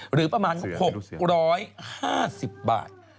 หรือประมาณ๖๕๐บาท